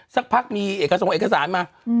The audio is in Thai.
สักพักมีเอกส่งเอกสารมา